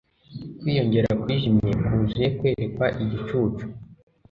Kwiyongera kwijimye kuzuye kwerekwa igicucu